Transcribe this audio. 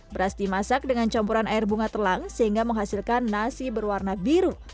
beras dimasak dengan campuran air bunga telang sehingga menghasilkan nasi berwarna biru